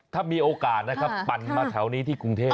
ถ้ามีโอกาสนะครับปั่นมาแถวนี้ที่กรุงเทพ